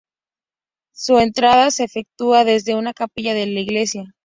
Su entrada se efectúa desde una capilla de la iglesia.